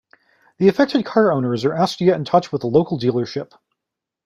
The affected car owners are asked to get in touch with a local dealership.